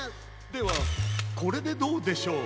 ではこれでどうでしょう？